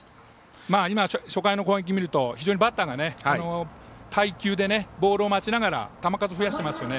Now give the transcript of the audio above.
今、初回の攻撃を見ると非常にバッターが待球でボールを待ちながら球数を増やしてますね。